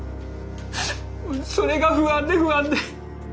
それが不安で不安で。